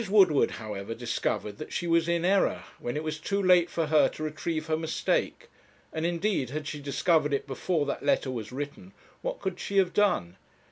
Woodward, however, discovered that she was in error, when it was too late for her to retrieve her mistake; and, indeed, had she discovered it before that letter was written, what could she have done?